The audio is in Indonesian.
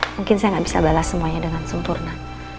mungkin saya nggak bisa balas semuanya dengan sempurna